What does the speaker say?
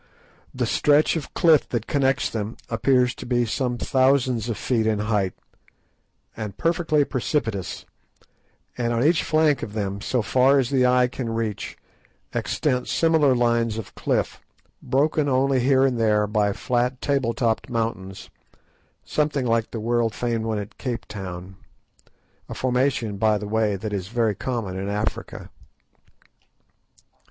The stretch of cliff that connects them appears to be some thousands of feet in height, and perfectly precipitous, and on each flank of them, so far as the eye can reach, extend similar lines of cliff, broken only here and there by flat table topped mountains, something like the world famed one at Cape Town; a formation, by the way, that is very common in Africa.